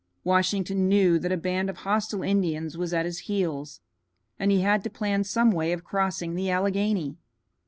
Washington knew that a band of hostile Indians was at his heels, and he had to plan some way of crossing the Alleghany.